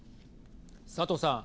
佐藤さん。